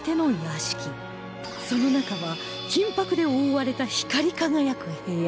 その中は金箔で覆われた光り輝く部屋